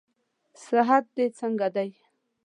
صحت دې څنګه دئ؟